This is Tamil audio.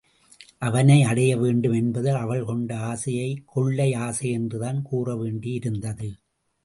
அவனை அடைய வேண்டும் என்பதில் அவள் கொண்ட ஆசையைக் கொள்ளை ஆசை என்றுதான் கூறவேண்டி இருந்தது.